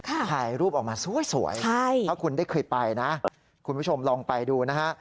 ถ่ายรูปออกมาสวยถ้าคุณได้เคยไปนะคุณผู้ชมลองไปดูนะฮะ